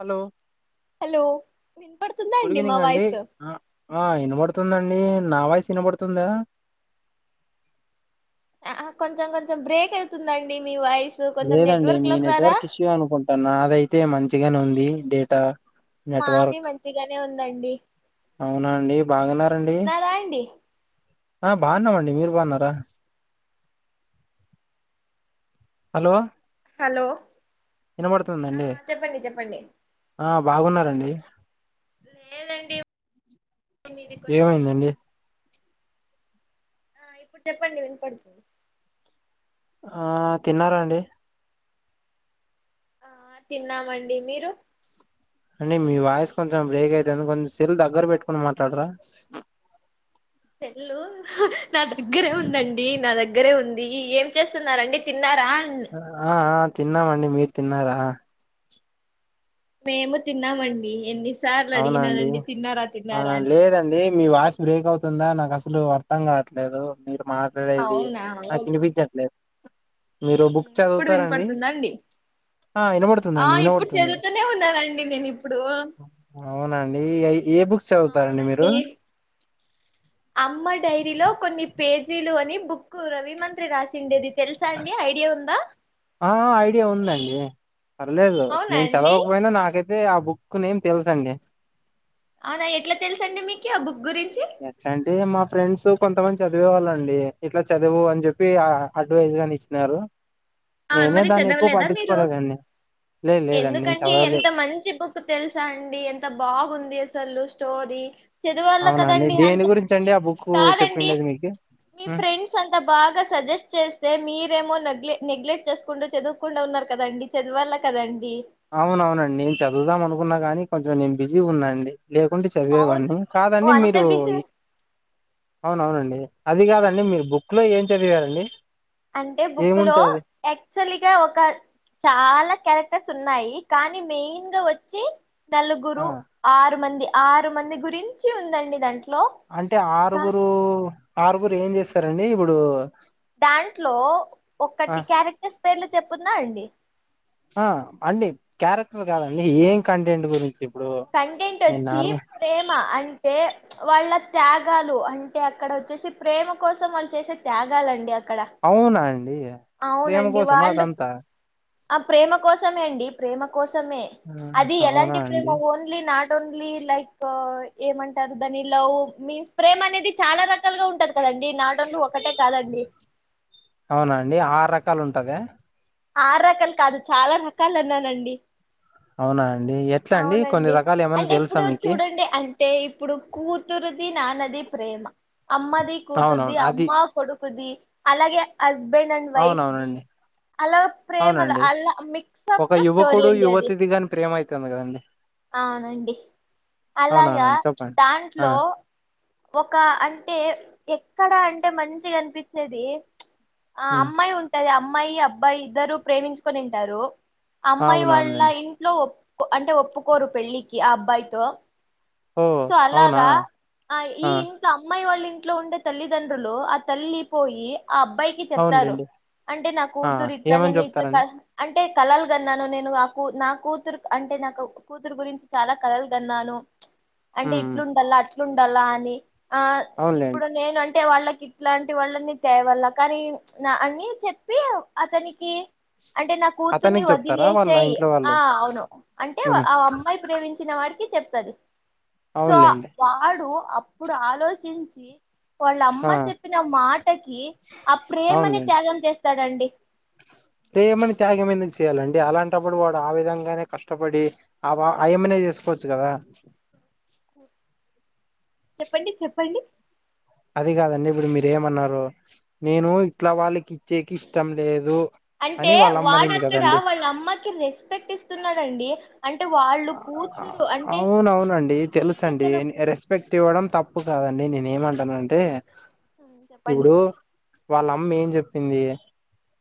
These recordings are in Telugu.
హలో హలో విన్పడుతుందా గుడ్ అండి మా వాయిస్? తుందండి. నా వాయిస్ ఇనబడుతుందా? ఆ కొంచెం కొంచెం బ్రేక్ అయితుందండి. లేదండి మీ నెట్వర్క్ ఇష్యూ అనుకుంటాను. నాదైతే, మంచిగనే ఉంది. The data. మాది నెట్వర్క్ మంచిగానే ఉందండి. అవునా అండి బాగున్నారండి. తిన్నారా అండి? ఆ బాగున్నామండి. మీరు బాగున్నారా? హలో హలో ఆ వినబడుతుందండి. చెప్పండి. చెప్పండి. ఆ బాగున్నారండి. లేదండి మీది కొంచెం ఏమైందండి? కొంచెం ఆ ఇప్పుడు చెప్పండి. వినపడుతుంది. ఆ తిన్నారా అండి? ఆ తిన్నామండి. మీరు? అండి మీ వాయిస్ కొంచెం బ్రేక్ అయితాంది. కొంచెం సెల్ దగ్గర పెట్టుకుని మాట్లాడరా! సేల్లు నా దగ్గరే ఉందండి. నా దగ్గరే ఉంది. ఏం చేస్తున్నారండి? తిన్నారా? హ ఆ ఆ తిన్నామండి. మీర్ తిన్నారా? మేము తిన్నామండి. ఎన్ని సా అవునండి. అవునండి. అని లేదండి మీ వాయిస్ బ్రేక్ అవుత్ తుందా! నాకస్సలు అర్థం కావట్లేదు. మీరు మాట్లాడేది, నాకు వినిపించట్లేదు. మీరు బుక్ మ్ ఇప్పుడు చదువుతారండి వినిపడుతుంద అండి? ఆ ఆ వినబడుతుందండి ఇప్పుడు వినబడుతుంది చదువుతూనె ఉన్నానండి నేనిప్పుడు. అవునా అండి! ఎయ్ ఏ బుక్స్ చదువుతారండి మీరు? అమ్మ డైరీలో కొన్ని పేజీలు అని బుక్ కు రవి మంత్రి రాసిండేది. తెలుసా అండి? ఐడియా ఉందా? ఆ ఐడియా ఉందండి పర్లేదు. అవునా నేను అండి చదవకపోయినా, నాకై అదే, ఆ బుక్ నేమ్ తెలుసండి. అవునా ఎట్ల తెలుసండి మీకి? ఆ బుక్ గురిన్ ఎట్లాంటె మా ఫ్రెండ్సు కొంతమంది చదివేవాళ్ళండి. ఇట్లా, చదువు అని చెప్పి ఆ అడ్వైజ్ గాని ఇచ్చినారు. ఆ నేనే మరి దాన్ని ఎక్కువ చదవలేదా మీరు పట్టించుకోలేదండి లేదు లేదండి నేను ఎందుకండి చదవలే ఎంత మంచి బుక్ తెల్సా అండి ఎంత బాగుంది అసలు స్టోరి చదువాల అవునండి కదండి దేని అంత గురించి అండి ఆ బుక్ కాదండి చెప్పిండేది మీకు మీ ఫ్రెండ్స్ అంతా బాగా సజెస్ట్ చేస్తే మీరేమో నెగ్లె నెగ్లెక్ట్ చేస్కుంటూ చదువుకుండా ఉన్నారు కదండి చదివాలా కదం అవునవునండి నేన్ చదువుదాం అనుకున్నా గానీ కొం నేన్ బిజీగున్నా అండి లేకుంటే అవును చదివేవాన్ను ఓ కాదండి అంత మీరు బిజీ అవునవునండి అది కాదండి మీరు బుక్లో ఏం చదివారండి అంటే బుక్లో ఏముంటది యాక్చువల్గా ఒక చాలా క్యారె క్టర్స్ ఉన్నాయి కానీ మెయిన్గా వచ్చి ఆ నలుగురు ఆరు మంది ఆరు మంది గురించి ఉందండి దాం అంటే ఆరుగురూ ఆరుగురు ఏం చేస్తారండి ఇప్పుడూ దాంట్లో ఆ ఒకటి క్యారెక్టర్స్ పేర్లు చెప్ ఉందా అండి ఆ అండి క్యారెక్టర్ కాదండి ఏం కంటెంట్ గురించి ఇప్పుడు కంటెంట్ నేను ఒచ్చి నార్మల్ ప్రేమ అం అంటే వాళ్ళ త్యాగాలు అంటే అక్కడ వచ్చేసి ప్రేమ కోసం వాళ్ళు చేసే త్యాగాలండి అక్కడ అవునా అండి ప్రేమ అవునండి కోసమా వాళ్ళు అదంతా ఆ ప్రేమ కోసమే అండి ప్రేమ కోసమే ఆహా! అది అవునా ఎలాంటి ప్రేమ అండి ఓన్లీ నాట్ ట్ ఓన్లీ లైక్ ఏమంటారు దాన్ని లవ్ మీన్స్ ప్రేమనేది చాలా ర ల్గా ఉంటది కదండి నాట్ ఓన్లీ ఒకటే కాదండి అవునా అండి ఆరు రకాలు ఉంటదా ఆరు రకాలు కాదు చాలా రకాలు అన్నానండి. అవునా అండి ఎట్లా అండి కొన్ని అవునండి రకాలు ఏమైన్న అంటే తెలుసా ఇప్పుడు మీకి చూడండి అంటే ఇప్పుడు కూతుర్ది నాన్నది ప్రేమ అమ్మది కూతుర్ది అవునవును అది అమ్మా కొడు ది అలాగే అ హస్బండ్ అండ్ వైఫ్ది అవునవునండి అలా ప్రేమలా అవునండి అలా మిక్సప్లో స్టోరీ అండి అది తొమ్మిదండి అవునండి అలాగా అవునవునండి ప్చ్ చెప్పండి ఆ దాంట్లో ఒక అంటే ఎ క్కడ అంటే మంచిగానిపించేది. ప్చ్ ఆ ఉమ్ అమ్మాయి ఉంటది. అమ్ అమ్మాయి, అబ్బాయి ఇద్దరు ప్రేమించుకోనింటారు. అమ్మాయి వాళ్ళ అవునవునులేండి ఇంట్లో అంటే ఒప్పు కోరు పెళ్లికి ఆ అబ్బాయితో ఓ సో అవునా అలాగా. ఆ ఈ ఇంట్లో అమ్మాయి వాళ్ళిం ట్లో ఉండే తల్లిదండ్రులు, ఆ తల్లి పోయి ఆ అబ్బాయికి చెప్తారు. అవునులేండి అంటే నా ఆ కూతురు ఇట్లా ఏమని నేను ఇట్లా క చెప్తారండి అం టే కళలు కన్నాను నేను. నాకూ నా కూతురు అంటే నాకు కూతురు గురించి చాలా కలలు కన్నాను. ప్చ్ అంటే ఉమ్ ఉమ్ ఇట్లుండల్ల అట్ ట్లుండాలా అని ఆ అవునులేండి నీప్పుడు నేన్ అంట్ టే వాళ్ళకి ఇట్లాంటి వాళ్ళనే తేవల్ల కానీ. ప్చ్ నా అన్నీ చెప్పి ఆ అతనికి అంటే నా కూతుర్ని అతనికి చెప్తారా వాళ్ళ వదిలేసేయ్. ఇంట్లో వాళ్ళు ఆ అవును అంటే ప ఉమ్ అమ్మాయి ప్రేమించిన వాడికి చెప్తది. సో అవునులేండి వాడు అప్పుడు ఆలోచించి కీ వాళ్ళ అమ్మ ఆ చెప్పిన మాటకి. ఆ ప్రేమని అవునులేండి త్యాగం చేస్ స్తాడండి ప్రేమని త్యాగం ఎందుకు చేయ్యాలండి. అలాంటప్పుడు వాడు, ఆ విధంగానే కష్టపడి ఆ బ ఆయమ్మినే చేసుకోవచ్చు కదా. చెప్పండి, చెప్పండి. అది కాదండి. ఇప్పుడు మీరేమన్నారు నేను ఇట్లా వాళ్ళకి ఇచ్చేకి ఇష్టం లేదు అని అంటే వాళ్ళ అమ్మనింది వాడక్కడ కదండి వాళ్ళ అమ్మకి రెస్పెక్ట్ ఇస్తున్నాడండి. అంటే వాళ్ళు ఆ కూతురు అంటే అవున అవునండి. ఫస్ట్ తెలుస మెయిన్ అండి, తనకు రెస్పెక్ట్ ఇవ్వడం తప్పు కాదండి. నేనే ఏమంటానంట్. టే ఉమ్ చెప్పండి. వాళ్ళ అమ్మ ఏం చెప్పింది.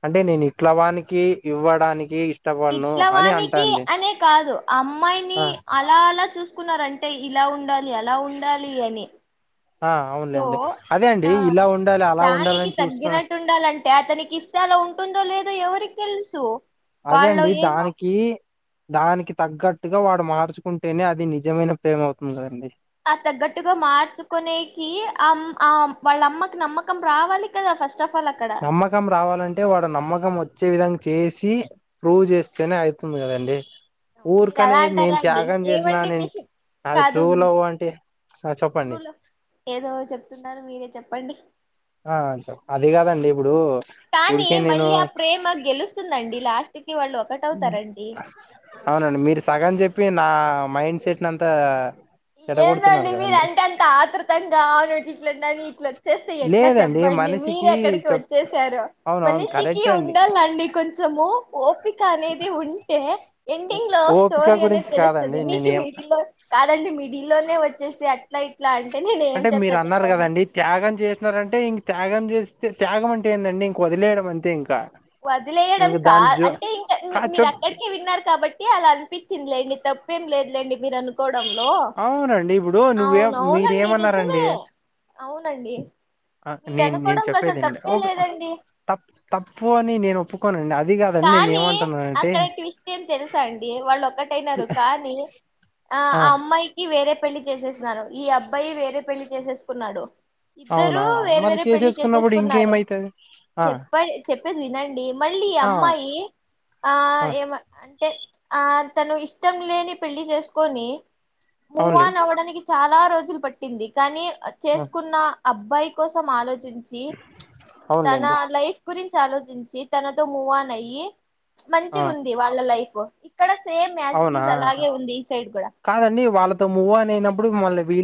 అంటే నేను ఇట్ల వానికి ఇవ్వడానికి. ఇష్ ఇట్ల వానికి అనే కాదు. అమ్మాయిని ఆ అలా అలా చూస్ కున్నారంటే ఇలా ఉండాల్ లి, అలా ఉండాలి అని ఆ అవునులేండి అదే అండి ఇలా ఉండాలి అలా దానికి ఉండాలని చూసుకు తగ్గినట్టు ఉండాలంటే అతనికి ఇస్తే అలా ఉంటుందో లే ఎవరికి తెలుసు అదే వాళ్ళు అండి ఏమో దానికి దానికి తగ్గట్టుగా వాడు మార్చుకుంటేనే అది నిజమైన ప్రేమ అవుతుంది కదాండి ఆ తగ్గట్టుగా మార్చుకునేకి ఆమ్ అమ్ వాళ్ళ అమ్మకి నమ్మకం రావాలి కదా ఫస్ట్ ఆఫ్ ఆల్ అక్కడ నమ్మకం రావాలంటే వాడు నమ్మకం వచ్చే విధంగా చేసి ప్రూవ్ చేస్తేనే అవుతుంది కదండి మీరు ఊరికనే అలా నేను అంటారా అండి త్యాగం చేసిన ఏమండి మీ నేను అది కాదు ట్రూ లవ్ అంటే ఆ చెప్పండి తూలో ఏదో చెప్తున్నారు మీరే చెప్ ప్పండి ఆ అంత అది కాదండి ఇప్పుడు కానీ ఊరికే నేను మళ్ళీ ఆ ప్రేమ గెలుస్తుందండి లాస్ట్ కి వాళ్ళు ఒకటవుతారండి అవునండి మీరు సగం చెప్పి నా మైండ్ సెట్ నంతా ఏందండి మీరు అంటే అంత ఆతృతంగా అని ఇట్లిట్లని పొవాలి వచ్చేస్తే ఎట్లా లేదండి చెప్పండి మీరు మనిషికి ఎక్కడికి చెప్ వచ్చేసారు అవునవును మనిషికి కరెక్టే అండి ఉండాలండి కొంచెము ఓపిక అనేది ఉంటే ఎండింగ్ లో ఓపిక స్టోరీ అనేది గురించి తెలుస్తాది కాదండి మీకు నేనేం మీడిల్లొ కాదండి మీ పిల్లొల్లే వచ్చే స కట్లైట్ అంటే మీరు అన్నారు కదండి త్యాగం చేసినారంటే ఇంక త్యాగం చేస్తే త్యాగం అంటే ఏందండి ఇంక వదిలేయడం అంతే ఇంకా వదిలేయడం ఇంక కా దాని జో అంటే ఇంకా కా మీరు చెప్ అక్కడికే విన్నారు కాబట్టి అలా అనిపించింది లేండి తప్పేం లేదు ఎందుకు మీరు అనుకోడ అవునండి ఇప్పుడు నువ్వే అవునవునండి మీరేమన్నారండి నిజమే అవునండి ఆ మీరు నేను నేను అనుకోవడంలో చెప్పేది అసలు వినండి తప్పే ఓహ్ లేదండి తప్పు తప్పు అని నేను ఒప్పుకోను అ [unintelligible] కానీ అక్కడ ట్విస్ట్ ఏం తెలుసా అండి వాళ్ళు ఒక్కటయినారు కానీ ఆ ఆ అమ్మాయికి వేరే పెళ్లి చేసేసినారు ఈ అబ్బాయి వేరే పెళ్లి చేసేసుకున్నాడు ఇద్దరు అవునా వేరే మరి వేరే పెళ్లి చేసేసుకున్నప్పుడు చేసేసుకున్నారు ఇంకేమైతది ఆ చెప్పె చెప్పేది వినండి మళ్ళీ ఆ అమ్మా ఏ ఆ ఏమ అంటే ఆ తను ఇష్టం లేని పెళ్లి చేసుకొని అవునులే మూవాన్ అవడానికి చాలా రోజులు పట్టింది కానీ చేసుకున్న అబ్బాయి కోసం ఆలోచ తన అవునులేండి లైఫ్ గురించి ఆలోచించి తనతో మూవా అ ఆ మంచిగా ఉంది వాళ్ళ లైఫ్ ఇక్కడ సేమ్ యాజ్ ఇట్ అవునా ఈస్ అలాగే ఉంది ఈ సైడ్ కూడా కాదండి వాళ్ళతో మూ్ అని అయినప్పుడు మళ్ళీ వీ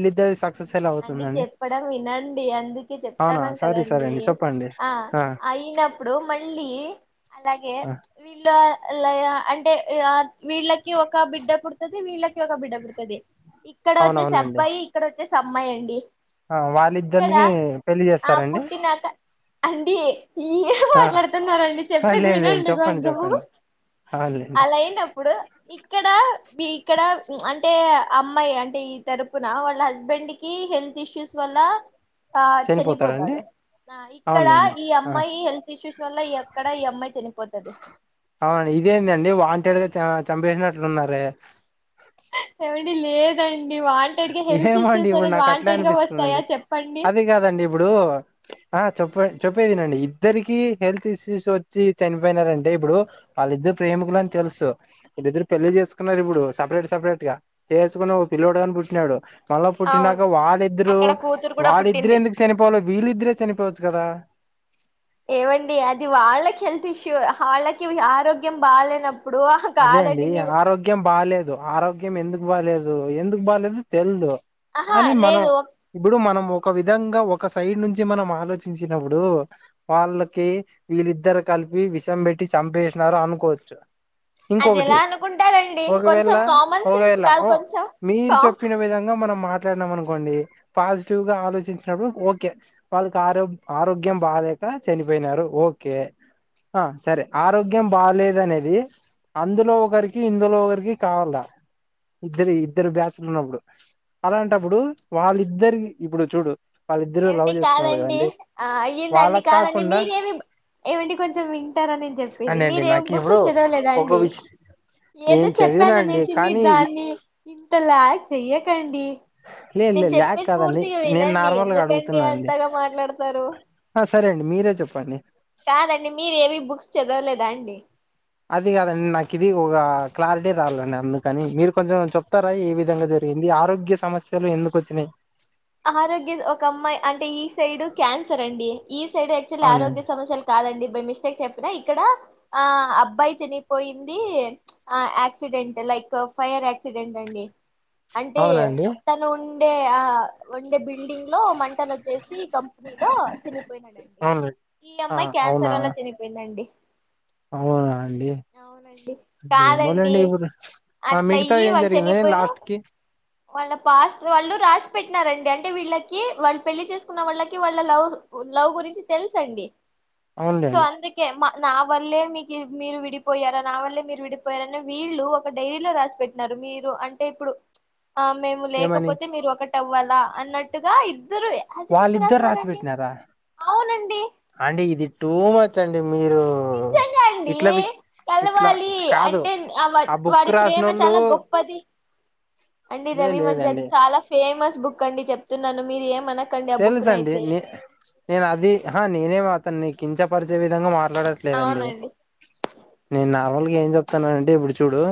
అండి చెప్పడం వినండి అందుకే అవునా చెప్తానుం సరే సరే కదండి అండి చెప్పండి ఆ అయినప్పుడు మళ్ళీ అలాగే ఆ వీళ్ళు అంటే వీళ్ళకి ఒక బిడ్డ పుడుతుది వీళ్ళకి ఒక బిడ్డ పుడుతుది ఇక్కడ వచ్చే అవునవునండి సబ్బయి ఇక్కడ వచ్చే సమ్మాయండి ఆ వాళ్ళిద్దరిక పెళ్ళి ఆ చేస్తారండి పుట్టినాక అండి ఏం ఆ మాట్లాడుతున్నండి ఆ! చెప్పేది లేదు లేండి వినండి చెప్పండి కొం చెప్పండి అవునులేండి అలా అయినప్పుడు ఇక్కడ ఇక్కడ అంటే అమ్మాయి అంటే ఈ తరపున వాళ్ళ హ హస్బెండ్ కి హెల్త్ ఇష్యూస్ వల్ల ఆ చనిపోతాడండి చనిపోతాడు ఇక్కడ అవునులేండి ఈ ఆ అమ్మాయి హెల్త్ ఇష్యూస్ వల్ల ఇక్కడ ఈ అమ్మాయి చనిపోతది చంపేసినట్లు ఉన్నారే ఆహ్ ఎవండి లేదండి వాల్ ఏమోండి ఇప్పుడు నాకు అట్లే వస్తాయా అనిపిస్తుందండి. చెప్పండి అది కాదండి, ఇప్పుడు ఆ చెప్ప చెప్పేది వినండి ఇద్దరిక్ కీ హెల్త్ ఇష్యూస్ వచ్చి చనిపోయినారంటే, ఇప్పుడు వాళ్ళిద్దరు ప్రేమికులు అని తెలుసు వాళ్ళిద్దరు పెళ్లి చేసుకున్నారు. ఇప్పుడు సపరేట్ సపరేట్ గా చేసుకొని ఒక పిల్లోడు కాని పుట్ ప్పుడు మళ్ల అవును పుట్టినాక వాళ్ళిద్దరూ అక్కడ కూతురు కూడా వాళ్ళిద్దరే, పుట్టింది ఎందుకు చనిపోవాలో వీళ్ళిద్దరే చనిపోవచ్చు. కదా ఏవండి. అది వాళ్ళకి హెల్త్ ఇష్యూ వాళ్ళకి ఆరోగ్యం బాగాలేనప్ అదే అండి ఆరోగ్యం బాలేదు. ఆరోగ్యం ఎందుకు బాలేదు. ఇప్పుడు ఎందుకు బాలేదు తెల్దు ఆహా కానీ మనం లేదు ఒక ఇప్పుడు మనం ఒక విధంగా ఒక సైడ్ నుంచి మనం ఆలోచించినప్పుడు, వాళ్ళకి వీళ్ళిద్దరు కలిపి విషం పెట్టి చంపేసినారు అనుకోవచ్చు. అది ఇంకొకటి ఎలా అనుకుంటారండి ఒకవేళ కొంచెం కామన్ సెన్స్ ఒవేళ కాదు ఓ కొంచెం మీరు కామ్ చెప్పిన విధంగా మనం మాట్ ట్లాడినాం అనుకోండి పాజిటివ్గా ఆలోచించినప్పుడు, ఓకే వాళ్ళకి ఆరోగ్ ఆరోగ్యం బాలేక చనిపోయినారు. ఓకే ఆ సరే ఆరోగ్యం బాలేేదు. అనేది అందులో ఒకరికి, ఇందులో ఒకరికి కావాల ఇద్దరి ఇద్దరు బ్యాచ్లు ఉన్నప్పుడు, అలాంటప్పుడు వాళ్ళిద్దరికి ఇప్పుడు చూడు వాళ్ళిద్దరు ఏవండి లవ్ చేసుకున్నారు కాదండి కదండి ఆ అయ్యిందండి. వాళ్ళకి కాదండి, కాకుండా మీరేమి ఏవండి కొంచెం వింటార, నేను చెప్పేది. అండి అండి మీరేం నాకు బుక్స్ ఇప్పుడు చదవలేదా? హాయ్ ఒక అండి విష ఏదో నేను చదివినా అండి చెప్తాననేసి మీరు కానీ దాన్ని ఇంత లాగ్ చెయ్యకండి లేదు నేను లేదు లాక్ కాదండి నేను నార్మల్గా అడుగుతు అండి అంతగా మాట్లాడతారు సరే అండి మీరే చెప్పండి కాదండి మీరేమి బుక్స్ చదవలేదా అండి అది కాదండి నాకు ఇవి ఒక క్లారిటీ రాలండి అందుకని మీరు కొంచెం చెప్తారా ఏ విధంగా జరిగింది ఆరోగ్య సమస్యలు ఎందుకు వచ్చినయి ఆరోగ్య ఒక ఈస్ సైడ్ యాక్చువల్లి ఆరోగ్య అవునండి సమస్యలు కాదండి బై మిస్టేక్ చెప్పినా ఇక్కడ ఆ అబ్బాయి చనిపోయింది ప్చ్ ఆ యాక్సిడెంట్ లైక్ ఫైర్ యాక్సిడెంట్ అండి అంటే అవునండి తను ఉన్ డే ఆ వుండే బిల్డింగ్ లో మంటలు వచ్చేసి కంపెనీలో చనిపోయినాడండి అవునండి ఈ ఆ అమ్మాయి అవునా క్యాన్సర్ వల్ల చనిపోయిందండి. అవునా అండి అవునండి కాదండి ఏమోలేండి ఇప్పుడు ఆ అట్ల మిగతా అయ్యి ఏం వాళ్ళు జరిగింది చనిపోయిన లాస్ట్ కి మన పాస్ట్ వాళ్ళు రాసి పెట్టినారండి అంటే వీళ్ళకి వాళ్ళు పెళ్లి చేసుకున్న వాళ్ళకి వాళ్ళ లవ్ లవ్ గురించి తెలుసు అండి సో అవునులేండి అందుకే మా నా వల్లే మీకు మీరు విడిపోయారా నా వల్లే మీరు విడిపోయారాని వీళ్ళు ఒక డైరీలో రాసి పెట్టినారు మీరు అంటే ఇప్పుడు ప్చ్ ఆ మేము ఏమని లేకపోతే మీరు ఒకట్ ఆ అన్నట్టుగా ఇద్ ఇద్దరే అస్ ఇట్ ఇస్ వాళ్ళిద్దరు రాసి రాస్నారాండి పెట్టినారా అవునండి అండి ఇది టూ మచ్ అండి మీరు నిజంగా అండి ఇట్లా విస్- ఇట్లా కలవాలి కాదు అంటేనే ఆ బుక్ వాడి ప్రేమ రాసినోళ్ళు చాలా గొప్పది అండి లే రవి మంచి అది లేదండి చాలా ఫేమస్ బుక్ అండి చెప్తున్నాను మీరు ఏమన తెలుసండి నే నేను అది హా నేనేమో అతన్ని నీ కించ పరిచే విధంగా మాట్లాడట్లేదండి అవునండి నే నార్ల్ ఏం చెప్తున్నానంటే ఇప్పుడు చూడు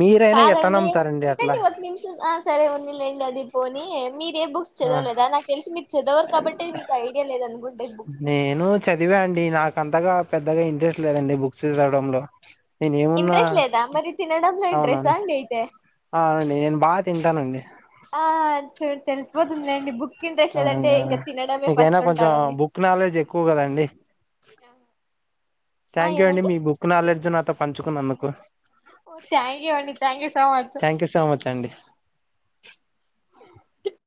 మీరైనా ఎట్లా కాదండి నమ్ముతారండి అట్లా ఉండండి ఒక నిమిషం ఆ సరే ఉంని లేండి అది పోనీ మీరే బుక్స్ ఆ చదవలేదా నాకు తెలిసి మీరు చదవరు కాబట్టి, మీకు ఐడియా లేదనుకుంట ఈ బుక్స్ మీద నేను చదివా అండి నాకు అంతగా పెద్దగా ఇంట్రెస్ట్ లేదండి బుక్స్ చదవ్డంలో నేను ఏమున్నా ఇంట్రెస్ట్ లేదా మరి తినడంలో ఇంట్రెస్టా అవునవును అండి అయితే అవునే నేన్ బా తింటానండి ఆ చూడ్ అవ్నండి అవును ఇంకా తినడమే మీకైనా ఫస్ట్ కొంచెం ఉంటారని బుక్ నాలెడ్జ్ ఎక్కువ కదాండి ఆ థ్యాంక్ యూ అండి. ఏమండి మీ బుక్ నాలెడ్జ్ నాతో పంచుకున్నందుకు ఓ థ్యాంక్ యూ అండి thank you so much thank you so much అండి. ఎ